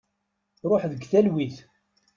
Ruḥ deg talwit.